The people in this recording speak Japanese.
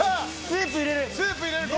スープ入れる。